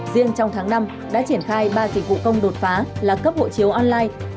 riêng trong tháng năm đã triển khai ba dịch vụ công đột phá là cấp hộ chiếu online